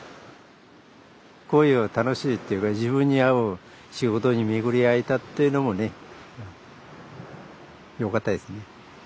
こういう楽しいっていうか自分に合う仕事に巡り合えたっていうのもねよかったですね。